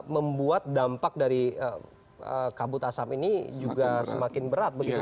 membuat dampak dari kabut asap ini juga semakin berat begitu ya